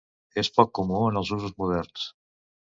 És poc comú en els usos moderns.